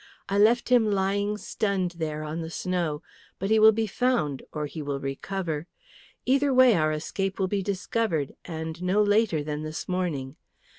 I left him lying stunned there on the snow; but he will be found, or he will recover. Either way our escape will be discovered, and no later than this morning.